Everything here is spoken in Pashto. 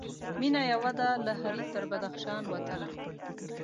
مېنه یوه ده له هري تر بدخشان وطنه